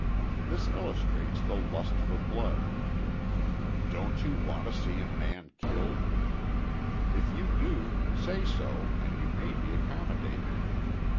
This illustrates the lust for blood. "Don't you want to see a man killed?" If you do, say so and you may be accommodated.